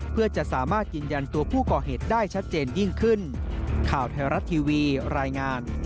เพื่อจะสามารถยืนยันตัวผู้ก่อเหตุได้ชัดเจนยิ่งขึ้น